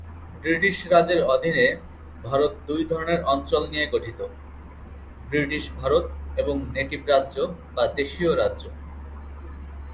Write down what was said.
British রাজের অধীনে ভারত দুই ধরনের অঞ্চল নিয়ে গঠিত: ব্রিটিশ ভারত এবং নেটিভ রাজ্য বা দেশীয় রাজ্য।